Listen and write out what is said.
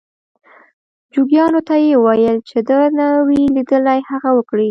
جوګیانو ته یې وویل چې ده نه وي لیدلي هغه وکړي.